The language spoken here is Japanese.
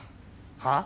はっ？